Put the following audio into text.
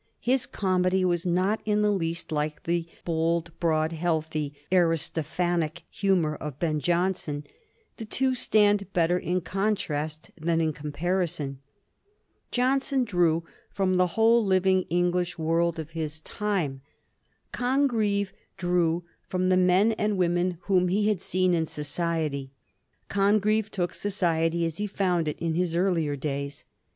His comedy was not in the least like the bold, broad, healthy, Aris tophanic humour of Ben Jonson ; the two stand better in contrast than in comparison. Jonson drew from the whole living English world of his time ; Digiti zed by Google 1729 DEATH OF CONGREVE. 393 Congreve drew from the men and women whom he had seen in society. Congreve took society as he found it in his earlier days.